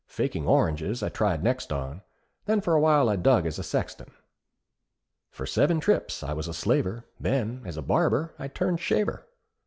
Faking oranges I tried next on, Then for a while I dug as a sexton. For seven trips I was a slaver, Then, as a barber, I turned shaver.